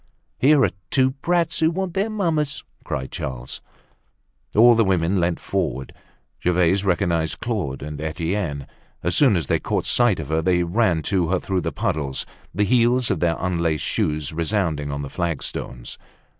"Here are two brats who want their mamma!" cried Charles. All the women leant forward. Gervaise recognized Claude and Etienne. As soon as they caught sight of her, they ran to her through the puddles, the heels of their unlaced shoes resounding on the flagstones.